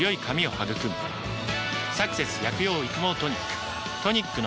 「サクセス薬用育毛トニック」